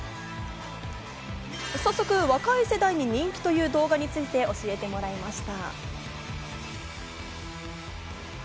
早速、若い世代に人気という動画について教えてもらいました。